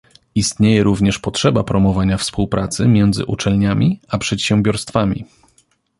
Istnieje również potrzeba promowania współpracy między uczelniami a przedsiębiorstwami